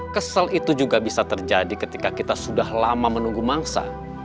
kesel itu juga bisa terjadi ketika kita sudah lama menunggu mangsa